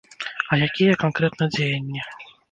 А якія канкрэтна дзеянні?